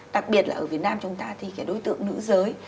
đặc biệt là ở việt nam chúng ta thì cái đối tượng nữ giới